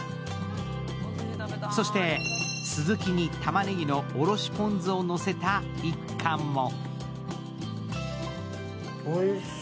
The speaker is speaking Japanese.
そして、スズキにたまねぎのおろしポン酢をのせた１貫も。